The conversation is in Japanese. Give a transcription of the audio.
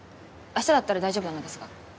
明日だったら大丈夫なのですが。